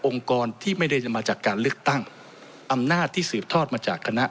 กรที่ไม่ได้จะมาจากการเลือกตั้งอำนาจที่สืบทอดมาจากคณะ